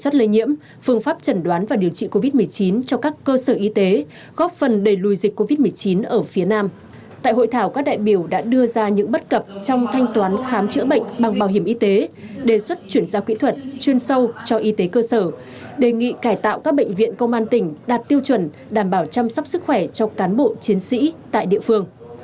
tại hội thảo các đại biểu đã đưa ra những bất cập trong thanh toán khám chữa bệnh bằng bảo hiểm y tế đề xuất chuyển giao kỹ thuật chuyên sâu cho y tế cơ sở đề nghị cải tạo các bệnh viện công an tỉnh đạt tiêu chuẩn đảm bảo chăm sóc sức khỏe cho cán bộ chiến sĩ tại địa phương